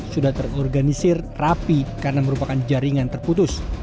sudah terorganisir rapi karena merupakan jaringan terputus